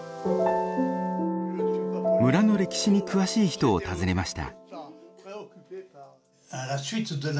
村の歴史に詳しい人を訪ねました。